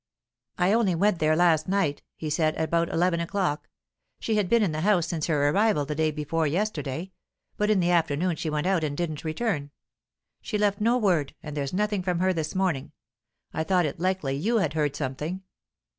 "I only went there last night," he said, "about eleven o'clock. She had been in the house since her arrival the day before yesterday; but in the afternoon she went out and didn't return. She left no word, and there's nothing from her this morning. I thought it likely you had heard something."